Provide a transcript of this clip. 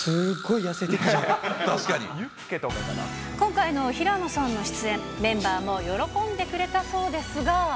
今回の平野さんの出演、メンバーも喜んでくれたそうですが。